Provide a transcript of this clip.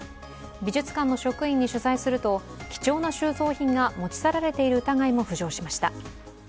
美術館の職員に所在すると、貴重な収蔵品が持ち去られている疑いも浮上しました。